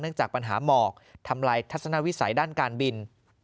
จากปัญหาหมอกทำลายทัศนวิสัยด้านการบิน